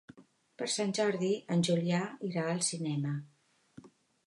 Per Sant Jordi en Julià irà al cinema.